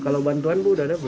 kalau bantuan bu udah ada bu